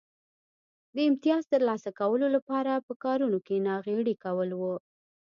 د امیتاز ترلاسه کولو لپاره په کارونو کې ناغېړي کول و